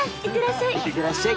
いってらっしゃい。